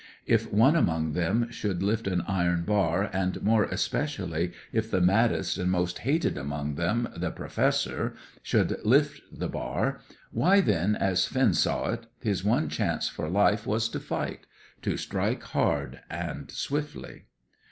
If one among them should lift an iron bar, and more especially if the maddest and most hated among them, the Professor, should lift the bar, why then, as Finn saw it, his one chance for life was to fight; to strike hard and swiftly.